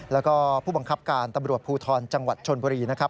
แล้วก็ผู้บังคับการตำรวจภูทรจังหวัดชนบุรีนะครับ